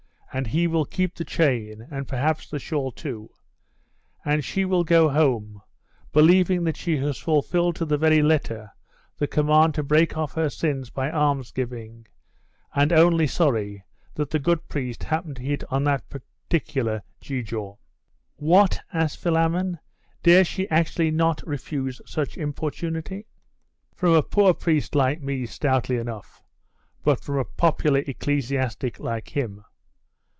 And he will keep the chain, and perhaps the shawl too. And she will go home, believing that she has fulfilled to the very letter the command to break off her sins by almsgiving, and only sorry that the good priest happened to hit on that particular gewgaw!' 'What,' asked Philammon; 'dare she actually not refuse such importunity?' 'From a poor priest like me, stoutly enough; but from a popular ecclesiastic like him....